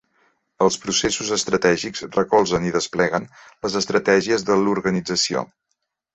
Els processos estratègics recolzen i despleguen les estratègies de l'organització.